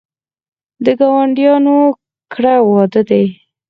د ګاونډیانو کره واده دی